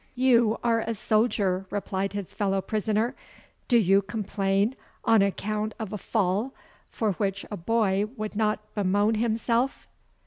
"You are a soldier," replied his fellow prisoner; "do you complain on account of a fall for which a boy would not bemoan himself?"